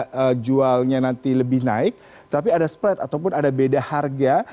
kalau kita mau beli harga jualnya nanti lebih naik tapi ada spread ataupun ada beda harga